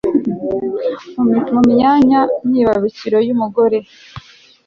mu myanyamyibarukiro y'umugore